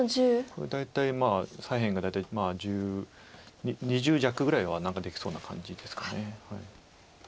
これで大体左辺が大体２０弱ぐらいは何かできそうな感じですか。